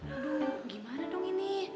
aduh gimana dong ini